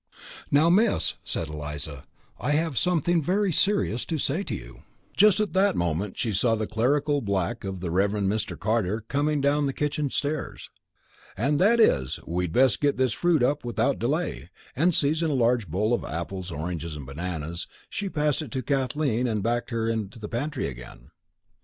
"Now, Miss," said Eliza. "I have something very serious to say to you " Just at that moment she saw the clerical black of the Reverend Mr. Carter coming down the kitchen stairs. " and that is, we'd best get this fruit up without delay," and seizing a large bowl of apples, oranges, and bananas, she passed it to Kathleen and backed her into the pantry again.